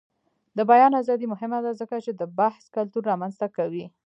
د بیان ازادي مهمه ده ځکه چې د بحث کلتور رامنځته کوي.